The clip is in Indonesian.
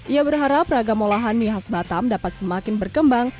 ia berharap ragam olahan mie khas batam dapat semakin berkembang